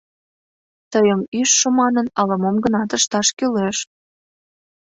— Тыйым ӱжшӧ манын ала-мом гынат ышташ кӱлеш!